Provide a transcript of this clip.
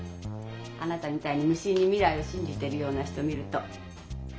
あなたみたいに無心に未来を信じてるような人見ると。